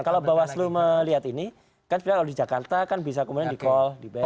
kalau bawaslu melihat ini kan sebenarnya kalau di jakarta kan bisa kemudian di call